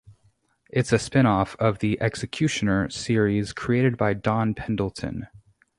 It is a spin-off of the "Executioner" series created by Don Pendleton.